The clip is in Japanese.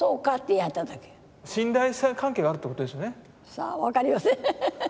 さあ分かりません。